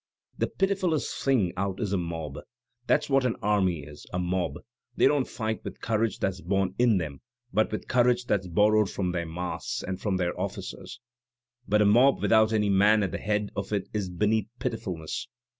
The pitif ulest thing out is a mob; that's what an army is — a mob; they don't fight with courage that's bom in them, but with courage that's borrowed from their mass, and from their officers. But a mob without any man at the head of it is beneath pitifulness.